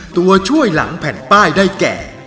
ตัวช่วยหลังแผ่นป้ายได้แก่